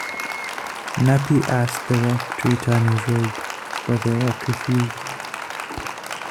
Napi asked the rock to return his robe, but the rock refused.